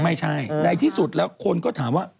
ไม่ใช่ในที่สุดแล้วคนก็ถามว่า